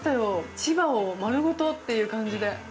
千葉を丸ごとっていう感じで。